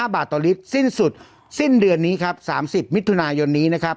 บาทต่อลิตรสิ้นสุดสิ้นเดือนนี้ครับ๓๐มิถุนายนนี้นะครับ